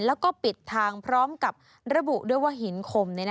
แล้วก็ปิดทางพร้อมกับระบุด้วยว่าหินคม